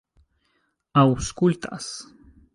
aŭskultas